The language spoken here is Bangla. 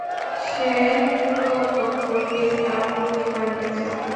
সে পুরো গোত্রকেই কাপুরুষ বানিয়েছে।